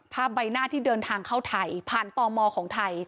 ใบหน้าที่เดินทางเข้าไทยผ่านตมของไทย